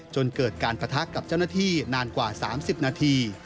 จนเกิดการปะทะกับเจ้าหน้าที่นานกว่า๓๐นาที